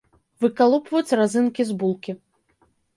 Выкалупваць разынкі з булкі.